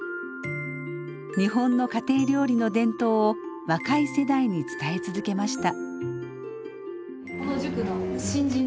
日本の家庭料理の伝統を若い世代に伝え続けました。